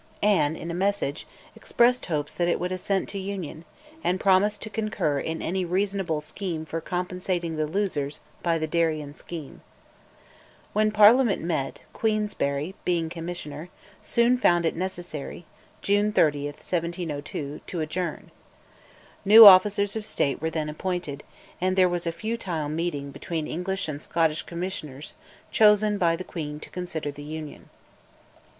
Anne, in a message, expressed hopes that it would assent to Union, and promised to concur in any reasonable scheme for compensating the losers by the Darien scheme. When Parliament met, Queensberry, being Commissioner, soon found it necessary (June 30, 1702) to adjourn. New officers of State were then appointed, and there was a futile meeting between English and Scottish Commissioners chosen by the Queen to consider the Union.